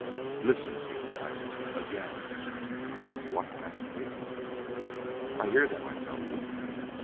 "Listen!" he cried. "Again!" "What?" asked Kate. "I hear them, I tell you."